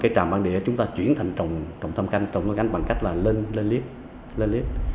cây tràm bán đĩa chúng ta chuyển thành trồng thăm canh trồng cây canh bằng cách lên liếp